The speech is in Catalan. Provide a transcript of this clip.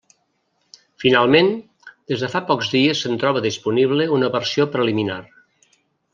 Finalment, des de fa pocs dies se'n troba disponible una versió preliminar.